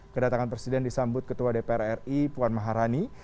kedatangan presiden disambut ketua dpr ri puan maharani